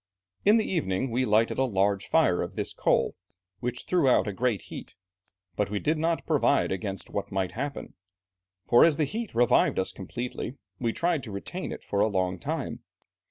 In the evening we lighted a large fire of this coal, which threw out a great heat, but we did not provide against what might happen, for as the heat revived us completely, we tried to retain it for a long time.